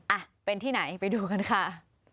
อ่ะเป็นที่ไหนไปดูกันค่ะ